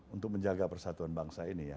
untuk menjaga persatuan bangsa ini ya